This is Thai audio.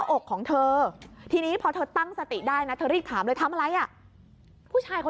เนื้ออกของเธอทีนี้พอตั้งสติได้เนาะศิษย์ภาพเลยทำอะไรอ่ะผู้ชายคน